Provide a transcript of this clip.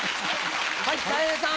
はいたい平さん。